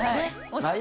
はい。